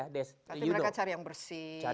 jadi mereka cari yang bersih